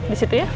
di situ ya